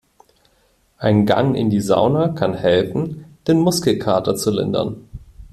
Ein Gang in die Sauna kann helfen, den Muskelkater zu lindern.